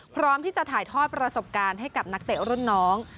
พร้อมที่จะถ่ายทอดประสบการณ์ให้กับนักเตะรุ่นน้อง